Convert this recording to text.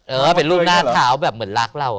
เออเป็นรูปหน้าเท้าแบบเหมือนรักเรา